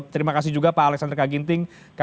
terima kasih juga pak alexander kaginting kabit pendidikan